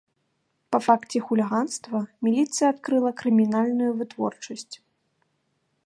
Па факце хуліганства міліцыя адкрыла крымінальную вытворчасць.